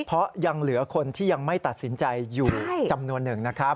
เพราะยังเหลือคนที่ยังไม่ตัดสินใจอยู่จำนวนหนึ่งนะครับ